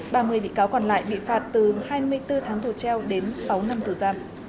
ba mươi bị cáo còn lại bị phạt từ hai mươi bốn tháng tù treo đến sáu năm tù giam